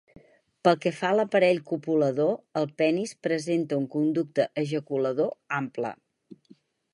Pel que fa a l'aparell copulador, el penis presenta un conducte ejaculador ample.